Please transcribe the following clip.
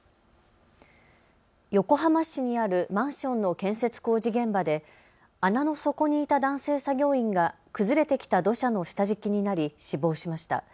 横浜市にあるマンションの建設工事現場で穴の底にいた男性作業員が崩れてきた土砂の下敷きになり死亡しました。